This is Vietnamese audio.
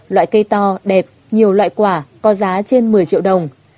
loại cây to đẹp nhiều loại quả có giá trên một mươi triệu đồng